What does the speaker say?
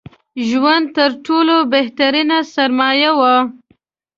ژوند تر ټولو بهترينه سرمايه وای